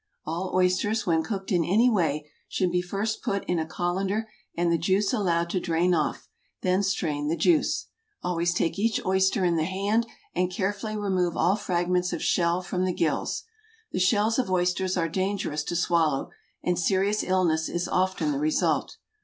All oysters, when cooked in any way, should be first put in a colander and the juice allowed to drain off, then strain the juice. Always take each oyster in the hand and carefully remove all fragments of shell from the gills. The shells of oysters are dangerous to swallow, and serious illness is often the result.